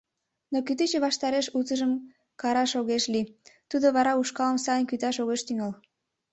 Но кӱтӱчӧ ваштареш утыжым караш огеш лий, тудо вара ушкалым сайын кӱташ огеш тӱҥал.